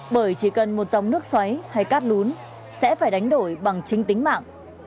bởi chỉ cần một dòng nước xoáy hay cát lún sẽ phải đánh đổi bằng chính tính mạng